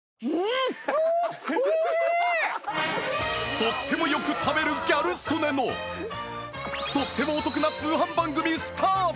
とってもよく食べるギャル曽根のとってもお得な通販番組スタート！